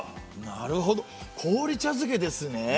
なるほど氷茶漬けですね！